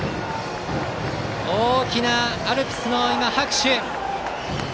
大きなアルプスの拍手。